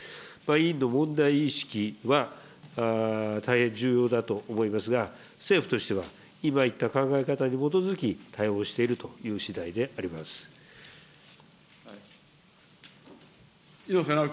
委員の問題意識は大変重要だと思いますが、政府としては、今言った考え方に基づき、対応しているというしだいであります。